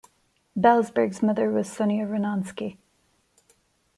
Belzberg's mother was Sonia Rinansky.